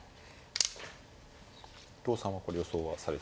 伊藤さんはこれ予想はされて？